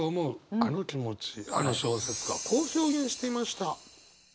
あの気持ちあの小説家はこう表現していました。